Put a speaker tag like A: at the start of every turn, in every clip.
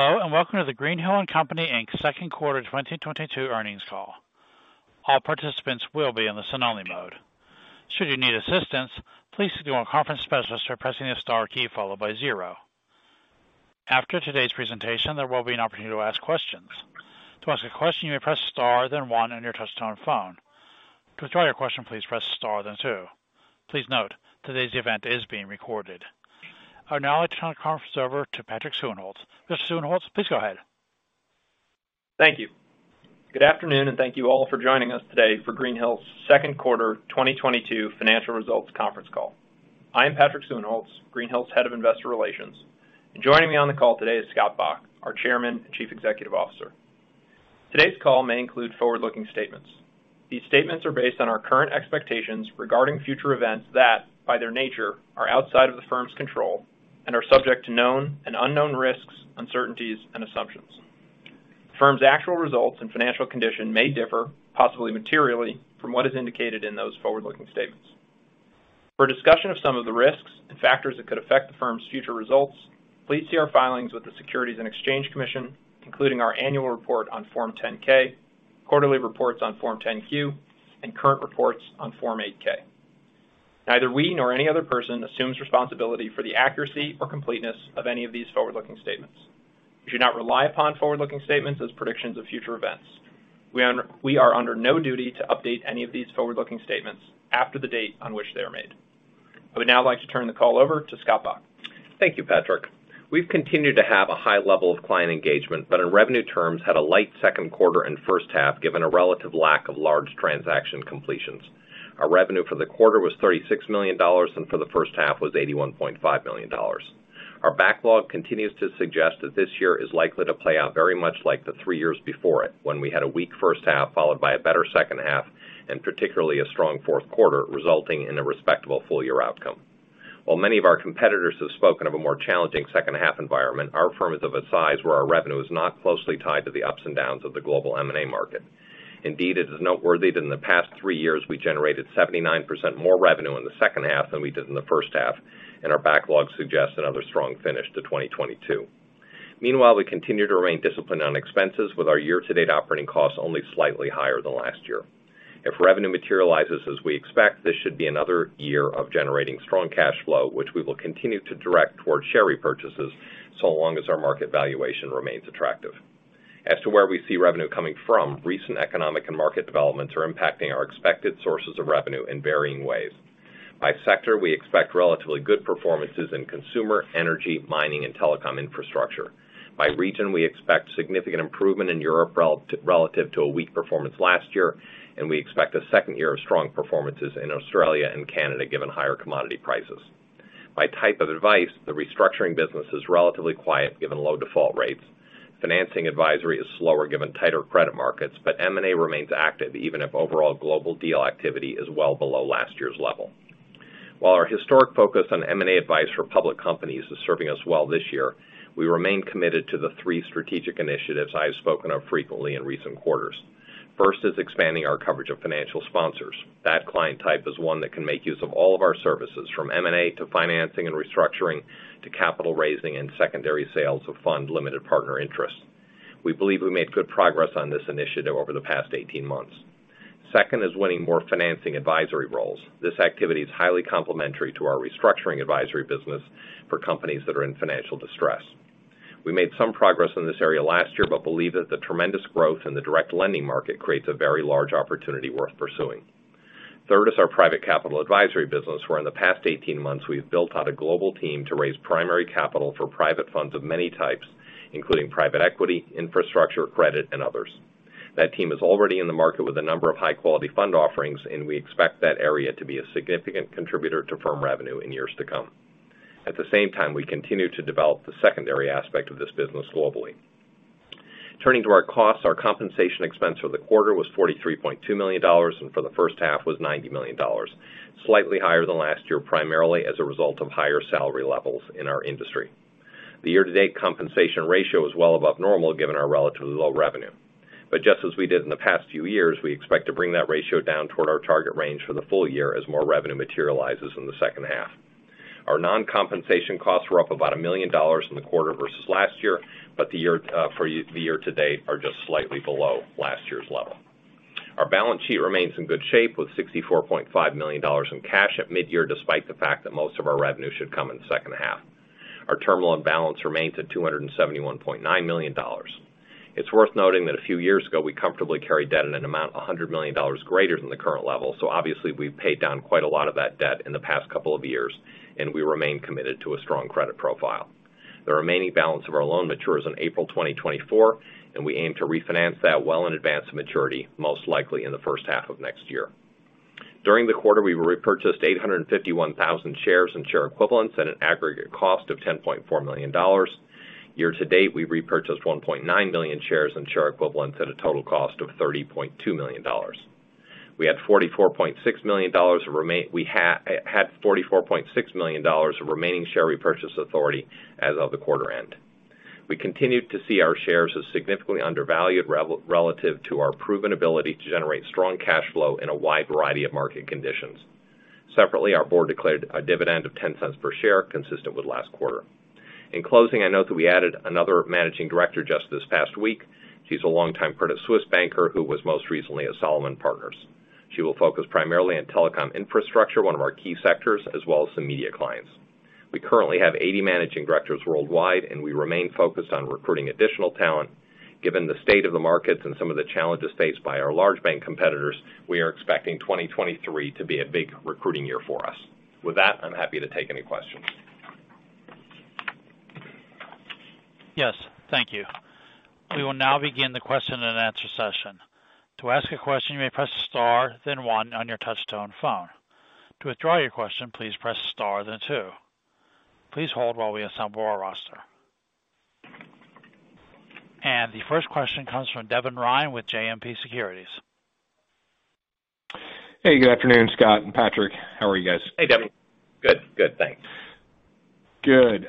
A: Hello, and welcome to the Greenhill & Co., Inc. second quarter 2022 earnings call. All participants will be in the listen-only mode. Should you need assistance, please contact a conference specialist by pressing the star key followed by zero. After today's presentation, there will be an opportunity to ask questions. To ask a question, you may press star then one on your touchtone phone. To withdraw your question, please press star then two. Please note, today's event is being recorded. I would now like to turn the conference over to Patrick Suehnholz. Mr. Suehnholz, please go ahead.
B: Thank you. Good afternoon, and thank you all for joining us today for Greenhill's second quarter 2022 financial results conference call. I am Patrick Suehnholz, Greenhill's Head of Investor Relations. Joining me on the call today is Scott Bok, our Chairman and Chief Executive Officer. Today's call may include forward-looking statements. These statements are based on our current expectations regarding future events that, by their nature, are outside of the firm's control and are subject to known and unknown risks, uncertainties and assumptions. The firm's actual results and financial condition may differ, possibly materially, from what is indicated in those forward-looking statements. For a discussion of some of the risks and factors that could affect the firm's future results, please see our filings with the Securities and Exchange Commission, including our annual report on Form 10-K, quarterly reports on Form 10-Q, and current reports on Form 8-K. Neither we nor any other person assumes responsibility for the accuracy or completeness of any of these forward-looking statements. You should not rely upon forward-looking statements as predictions of future events. We are under no duty to update any of these forward-looking statements after the date on which they are made. I would now like to turn the call over to Scott Bok.
C: Thank you, Patrick. We've continued to have a high level of client engagement, but in revenue terms, had a light second quarter and H1, given a relative lack of large transaction completions. Our revenue for the quarter was $36 million, and for the H1 was $81.5 million. Our backlog continues to suggest that this year is likely to play out very much like the three years before it, when we had a weak H1, followed by a better H2, and particularly a strong fourth quarter, resulting in a respectable full year outcome. While many of our competitors have spoken of a more challenging second-half environment, our firm is of a size where our revenue is not closely tied to the ups and downs of the global M&A market. Indeed, it is noteworthy that in the past three years, we generated 79% more revenue in the H2 than we did in the H1, and our backlog suggests another strong finish to 2022. Meanwhile, we continue to remain disciplined on expenses with our year-to-date operating costs only slightly higher than last year. If revenue materializes as we expect, this should be another year of generating strong cash flow, which we will continue to direct towards share repurchases, so long as our market valuation remains attractive. As to where we see revenue coming from, recent economic and market developments are impacting our expected sources of revenue in varying ways. By sector, we expect relatively good performances in consumer, energy, mining, and telecom infrastructure. By region, we expect significant improvement in Europe relative to a weak performance last year, and we expect a second year of strong performances in Australia and Canada, given higher commodity prices. By type of advice, the restructuring business is relatively quiet given low default rates. Financing advisory is slower given tighter credit markets, but M&A remains active even if overall global deal activity is well below last year's level. While our historic focus on M&A advice for public companies is serving us well this year, we remain committed to the three strategic initiatives I have spoken of frequently in recent quarters. First is expanding our coverage of financial sponsors. That client type is one that can make use of all of our services from M&A to financing and restructuring to capital raising and secondary sales of fund limited partner interests. We believe we made good progress on this initiative over the past 18 months. Second is winning more financing advisory roles. This activity is highly complementary to our restructuring advisory business for companies that are in financial distress. We made some progress in this area last year, but believe that the tremendous growth in the direct lending market creates a very large opportunity worth pursuing. Third is our private capital advisory business, where in the past 18 months we've built out a global team to raise primary capital for private funds of many types, including private equity, infrastructure, credit and others. That team is already in the market with a number of high-quality fund offerings, and we expect that area to be a significant contributor to firm revenue in years to come. At the same time, we continue to develop the secondary aspect of this business globally. Turning to our costs, our compensation expense for the quarter was $43.2 million, and for the H1 was $90 million, slightly higher than last year, primarily as a result of higher salary levels in our industry. The year-to-date compensation ratio is well above normal, given our relatively low revenue. Just as we did in the past few years, we expect to bring that ratio down toward our target range for the full year as more revenue materializes in the H2. Our non-compensation costs were up about $1 million in the quarter versus last year, but the year to date are just slightly below last year's level. Our balance sheet remains in good shape with $64.5 million in cash at mid-year, despite the fact that most of our revenue should come in the H2. Our term loan balance remains at $271.9 million. It's worth noting that a few years ago, we comfortably carried debt at an amount $100 million greater than the current level. Obviously we've paid down quite a lot of that debt in the past couple of years, and we remain committed to a strong credit profile. The remaining balance of our loan matures in April 2024, and we aim to refinance that well in advance of maturity, most likely in the H1 of next year. During the quarter, we repurchased 851,000 shares and share equivalents at an aggregate cost of $10.4 million. Year to date, we've repurchased 1.9 million shares and share equivalents at a total cost of $30.2 million. We had $44.6 million of remaining share repurchase authority as of the quarter end. We continued to see our shares as significantly undervalued relative to our proven ability to generate strong cash flow in a wide variety of market conditions. Separately, our board declared a dividend of $0.10 per share, consistent with last quarter. In closing, I note that we added another managing director just this past week. She's a longtime Credit Suisse banker who was most recently at Solomon Partners. She will focus primarily on telecom infrastructure, one of our key sectors, as well as some media clients. We currently have 80 managing directors worldwide, and we remain focused on recruiting additional talent. Given the state of the markets and some of the challenges faced by our large bank competitors, we are expecting 2023 to be a big recruiting year for us. With that, I'm happy to take any questions.
A: Yes. Thank you. We will now begin the question and answer session. To ask a question, you may press star, then one on your touchtone phone. To withdraw your question, please press star, then two. Please hold while we assemble our roster. The first question comes from Devin Ryan with JMP Securities.
D: Hey, good afternoon, Scott and Patrick. How are you guys?
C: Hey, Devin.
B: Good. Good. Thanks.
D: Good.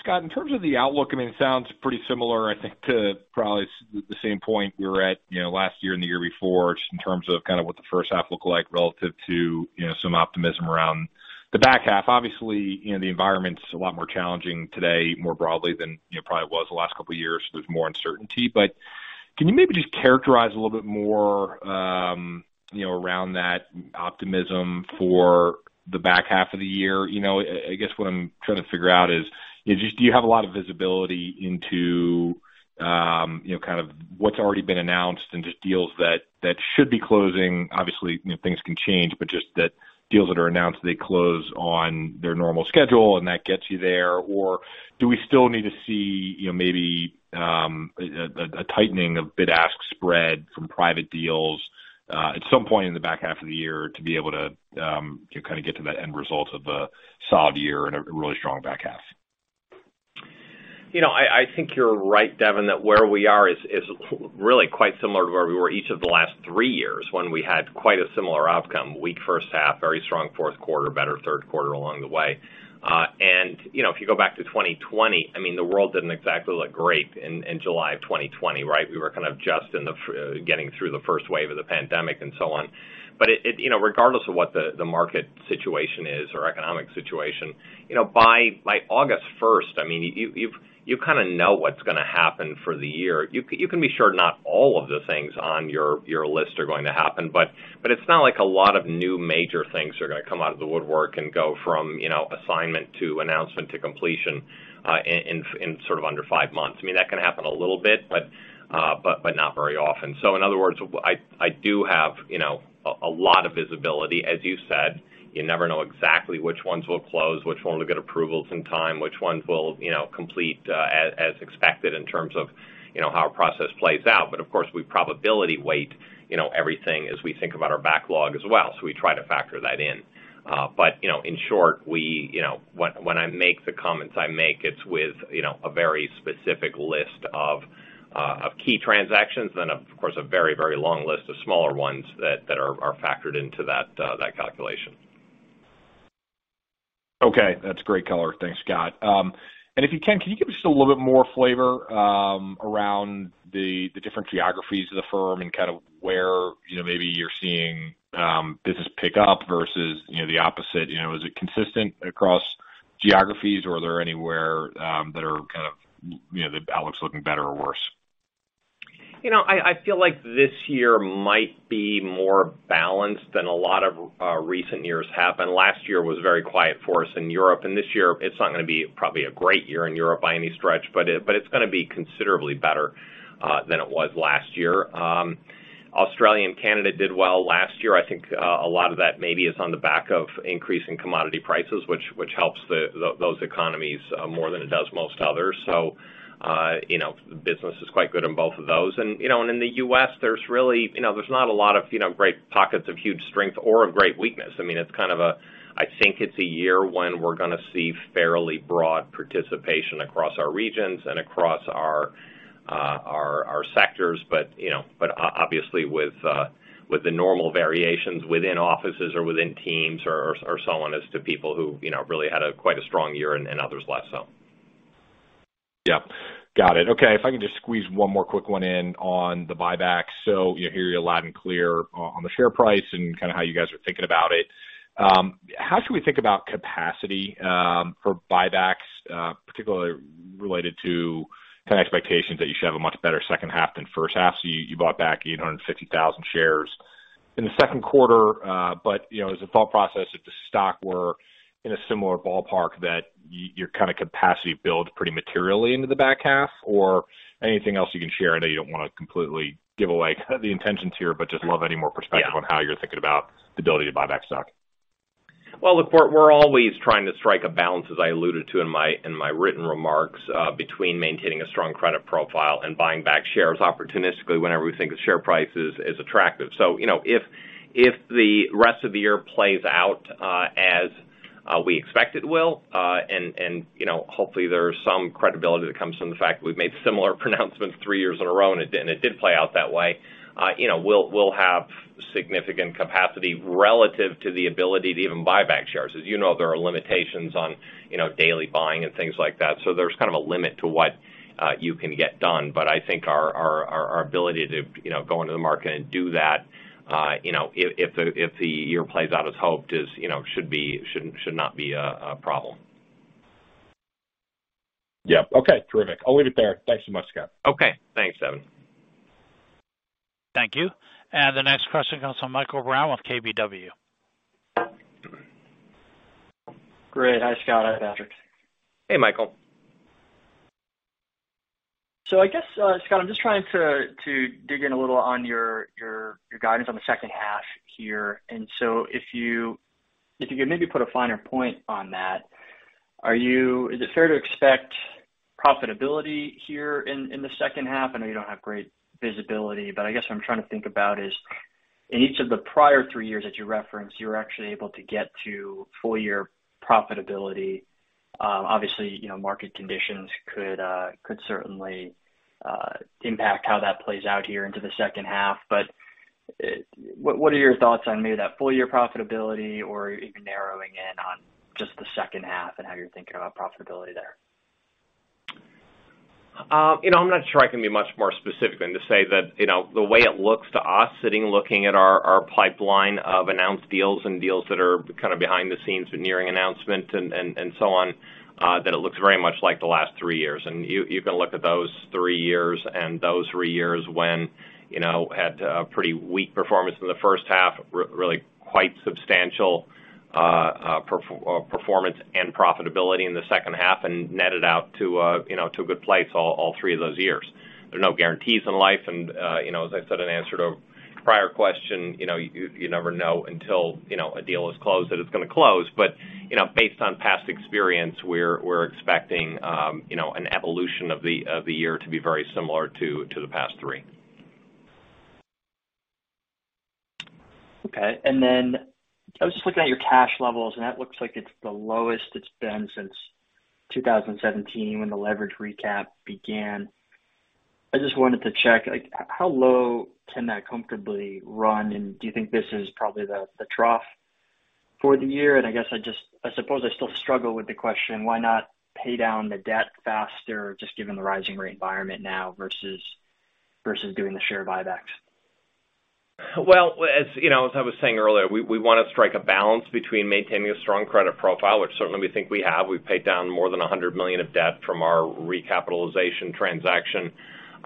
D: Scott, in terms of the outlook, I mean, it sounds pretty similar, I think, to probably the same point you were at, you know, last year and the year before, just in terms of kind of what the H1 looked like relative to, you know, some optimism around the back half. Obviously, you know, the environment's a lot more challenging today, more broadly than, you know, it probably was the last couple of years. There's more uncertainty. Can you maybe just characterize a little bit more, you know, around that optimism for the back half of the year? You know, I guess what I'm trying to figure out is, you know, just do you have a lot of visibility into, you know, kind of what's already been announced and just deals that should be closing. Obviously, you know, things can change, but just that deals that are announced, they close on their normal schedule and that gets you there. Or do we still need to see, you know, maybe a tightening of bid-ask spread from private deals at some point in the back half of the year to be able to, you know, kind of get to that end result of a solid year and a really strong back half?
C: You know, I think you're right, Devin, that where we are is really quite similar to where we were each of the last three years when we had quite a similar outcome. Weak H1, very strong fourth quarter, better third quarter along the way. You know, if you go back to 2020, I mean, the world didn't exactly look great in July of 2020, right? We were kind of just getting through the first wave of the pandemic and so on. You know, regardless of what the market situation is or economic situation, you know, by August 1, I mean, you kind of know what's gonna happen for the year. You can be sure not all of the things on your list are going to happen, but it's not like a lot of new major things are gonna come out of the woodwork and go from, you know, assignment to announcement to completion in sort of under five months. I mean, that can happen a little bit, but not very often. In other words, I do have, you know, a lot of visibility. As you said, you never know exactly which ones will close, which ones will get approvals in time, which ones will, you know, complete as expected in terms of, you know, how a process plays out. Of course, we probability weight, you know, everything as we think about our backlog as well, so we try to factor that in. you know, in short, we, you know, when I make the comments I make, it's with, you know, a very specific list of key transactions and of course, a very, very long list of smaller ones that are factored into that calculation.
D: Okay. That's great color. Thanks, Scott. If you can give us just a little bit more flavor, around the different geographies of the firm and kind of where, you know, maybe you're seeing, business pick up versus, you know, the opposite? You know, is it consistent across geographies or are there anywhere, that are kind of, you know, the outlook's looking better or worse?
C: You know, I feel like this year might be more balanced than a lot of recent years have. Last year was very quiet for us in Europe, and this year it's not gonna be probably a great year in Europe by any stretch, but it's gonna be considerably better than it was last year. Australia and Canada did well last year. I think a lot of that maybe is on the back of increasing commodity prices, which helps those economies more than it does most others. You know, business is quite good in both of those. You know, and in the U.S. there's really, you know, there's not a lot of, you know, great pockets of huge strength or of great weakness. I mean, I think it's a year when we're gonna see fairly broad participation across our regions and across our sectors. You know, obviously with the normal variations within offices or within teams or so on as to people who, you know, really had quite a strong year and others less so.
D: Yeah. Got it. Okay, if I can just squeeze one more quick one in on the buyback. You know, I hear you loud and clear on the share price and kind of how you guys are thinking about it. How should we think about capacity for buybacks, particularly related to kind of expectations that you should have a much better H2 than H1? You bought back 850,000 shares in the second quarter. You know, as a thought process, if the stock were in a similar ballpark that your kind of capacity builds pretty materially into the back half or anything else you can share. I know you don't wanna completely give away the intentions here, but just love any more perspective.
C: Yeah.
D: on how you're thinking about the ability to buy back stock.
C: Well, look, we're always trying to strike a balance, as I alluded to in my written remarks, between maintaining a strong credit profile and buying back shares opportunistically whenever we think the share price is attractive. You know, if the rest of the year plays out as we expect it will, and you know, hopefully there's some credibility that comes from the fact that we've made similar pronouncements three years in a row, and it did play out that way. You know, we'll have significant capacity relative to the ability to even buy back shares. As you know, there are limitations on daily buying and things like that, so there's kind of a limit to what you can get done. I think our ability to you know go into the market and do that you know if the year plays out as hoped is you know should not be a problem.
D: Yeah. Okay, terrific. I'll leave it there. Thanks so much, Scott.
C: Okay. Thanks, Devin.
A: Thank you. The next question comes from Michael Brown with KBW.
E: Great. Hi, Scott. Hi, Patrick.
C: Hey, Michael.
E: I guess, Scott, I'm just trying to dig in a little on your guidance on the H2 here. If you could maybe put a finer point on that, is it fair to expect profitability here in the H2? I know you don't have great visibility, but I guess what I'm trying to think about is in each of the prior three years that you referenced, you were actually able to get to full year profitability. Obviously, you know, market conditions could certainly impact how that plays out here into the H2, but what are your thoughts on maybe that full year profitability or even narrowing in on just the H2 and how you're thinking about profitability there?
C: You know, I'm not sure I can be much more specific than to say that, you know, the way it looks to us sitting looking at our pipeline of announced deals and deals that are kind of behind the scenes but nearing announcement and so on, that it looks very much like the last three years. You can look at those three years when, you know, had a pretty weak performance in the H1, really quite substantial performance and profitability in the H2 and netted out to, you know, to a good place all three of those years. There are no guarantees in life, and you know, as I said in answer to a prior question, you know, you never know until you know, a deal is closed that it's gonna close. You know, based on past experience, we're expecting you know, an evolution of the year to be very similar to the past three.
E: Okay. Then I was just looking at your cash levels, and that looks like it's the lowest it's been since 2017 when the leverage recap began. I just wanted to check, like, how low can that comfortably run, and do you think this is probably the trough for the year? I suppose I still struggle with the question, why not pay down the debt faster just given the rising rate environment now versus doing the share buybacks?
C: Well, you know, as I was saying earlier, we wanna strike a balance between maintaining a strong credit profile, which certainly we think we have. We've paid down more than $100 million of debt from our recapitalization transaction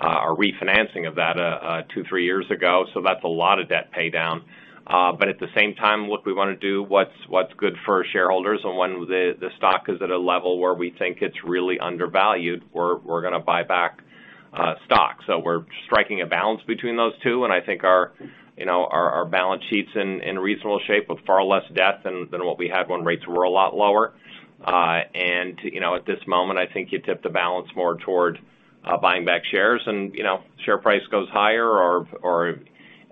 C: or refinancing of that 2 years or 3 years ago, so that's a lot of debt pay down. At the same time, what we wanna do, what's good for shareholders and when the stock is at a level where we think it's really undervalued, we're gonna buy back stock. We're striking a balance between those two, and I think you know our balance sheet's in reasonable shape with far less debt than what we had when rates were a lot lower. You know, at this moment, I think you tip the balance more toward buying back shares and, you know, share price goes higher or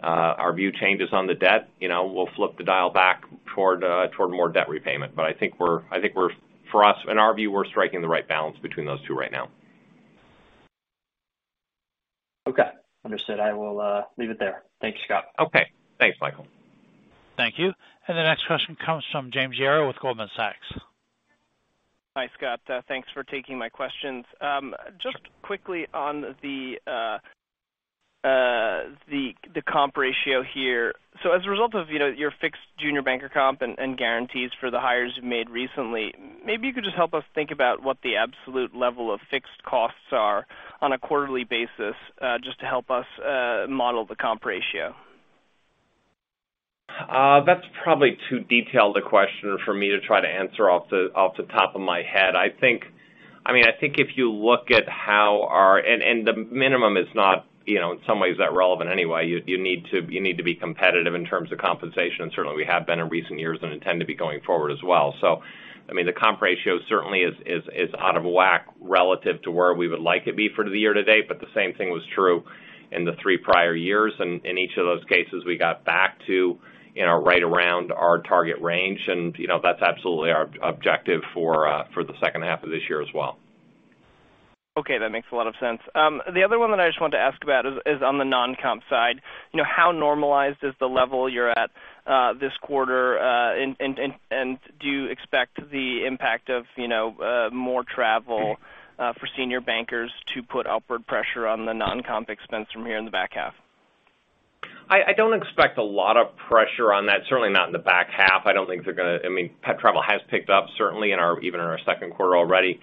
C: our view changes on the debt. You know, we'll flip the dial back toward more debt repayment. I think we're for us, in our view, we're striking the right balance between those two right now.
E: Okay. Understood. I will leave it there. Thank you, Scott.
C: Okay. Thanks, Michael.
A: Thank you. The next question comes from James Yaro with Goldman Sachs.
F: Hi, Scott. Thanks for taking my questions. Just quickly on the comp ratio here. As a result of, you know, your fixed junior banker comp and guarantees for the hires you've made recently, maybe you could just help us think about what the absolute level of fixed costs are on a quarterly basis, just to help us model the comp ratio?
C: That's probably too detailed a question for me to try to answer off the top of my head. I mean, I think if you look at, the minimum is not, you know, in some ways that's relevant anyway. You need to be competitive in terms of compensation, and certainly we have been in recent years and intend to be going forward as well. I mean, the comp ratio certainly is out of whack relative to where we would like it to be for the year to date, but the same thing was true in the three prior years. In each of those cases, we got back to, you know, right around our target range. You know, that's absolutely our objective for the H2 of this year as well.
F: Okay. That makes a lot of sense. The other one that I just wanted to ask about is on the non-comp side. You know, how normalized is the level you're at this quarter? Do you expect the impact of, you know, more travel for senior bankers to put upward pressure on the non-comp expense from here in the back half?
C: I don't expect a lot of pressure on that, certainly not in the back half. I don't think they're gonna. I mean, travel has picked up certainly in our even in our second quarter already.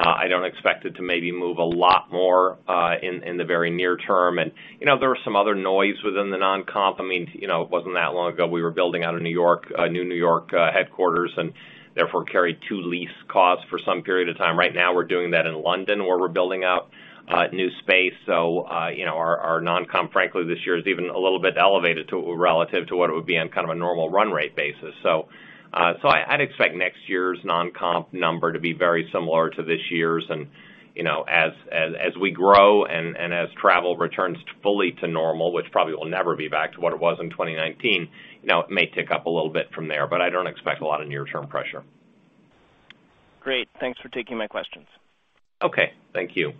C: I don't expect it to maybe move a lot more in the very near term. You know, there was some other noise within the non-comp. I mean, you know, it wasn't that long ago, we were building out a new New York headquarters and therefore carried two lease costs for some period of time. Right now we're doing that in London, where we're building out new space. You know, our non-comp frankly this year is even a little bit elevated relative to what it would be on kind of a normal run rate basis. I'd expect next year's non-comp number to be very similar to this year's. You know, as we grow and as travel returns fully to normal, which probably will never be back to what it was in 2019, you know, it may tick up a little bit from there, but I don't expect a lot of near term pressure.
F: Great. Thanks for taking my questions.
C: Okay. Thank you.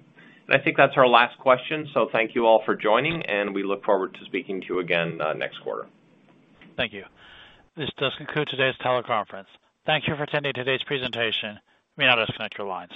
C: I think that's our last question. Thank you all for joining, and we look forward to speaking to you again, next quarter.
A: Thank you. This does conclude today's teleconference. Thank you for attending today's presentation. You may now disconnect your lines.